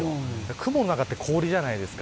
雲の中は氷じゃないですか。